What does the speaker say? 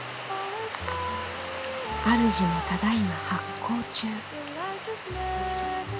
あるじもただいま発酵中。